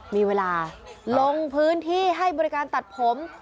มีเวลาลงพื้นที่ให้บริการตัดผม